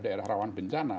di daerah rawan bencana